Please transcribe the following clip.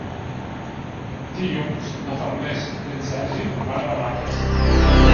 Dilluns na Farners i en Sergi van a Barraques.